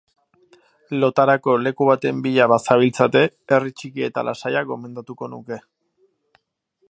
Lotarako leku baten bila bazabiltzate, herri txiki eta lasaia gomendatuko nuke.